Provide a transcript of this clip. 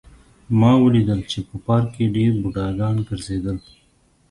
ما ولیدل چې په پارک کې ډېر بوډاګان ګرځېدل